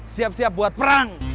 siap siap buat perang